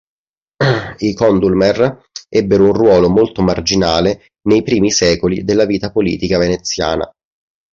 I Condulmer ebbero un ruolo molto marginale nei primi secoli della vita politica veneziana.